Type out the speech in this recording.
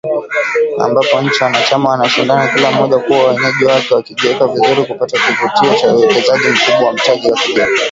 Ambapo nchi wanachama wanashindana kila mmoja kuwa mwenyeji wake, wakijiweka vizuri kupata kivutio cha uwekezaji mkubwa wa mtaji wa kigeni